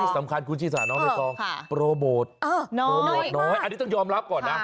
สำคัญคุณศีรษะน้องโดยทองโปรโมทน้อยอันนี้ต้องยอมรับก่อนนะ